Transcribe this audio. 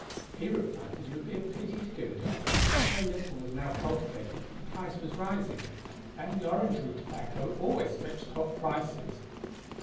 He replied that it would be a pity to give it up, for so little was now cultivated that the price was rising, and the Orangery tobacco always fetched top prices.